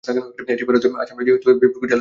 এটি ভারতের আসাম রাজ্যের ডিব্রুগড় জেলাযয় অবস্থিত।